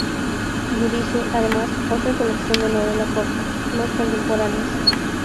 Dirige, además, otra colección de novela corta, "Los Contemporáneos".